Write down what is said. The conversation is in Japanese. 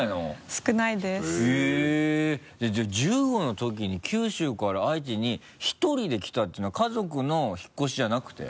じゃあ１５の時に九州から愛知にひとりで来たっていうのは家族の引っ越しじゃなくて？